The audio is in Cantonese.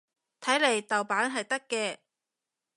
睇嚟豆瓣係得嘅